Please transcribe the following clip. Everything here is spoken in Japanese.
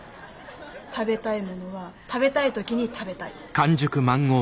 食べたいものは食べたい時に食べたい。